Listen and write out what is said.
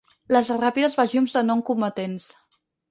Les ràpides besllums de no-combatents